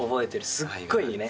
すごいね。